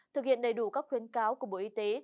thực hiện đầy đủ các khuyến cáo của bộ y tế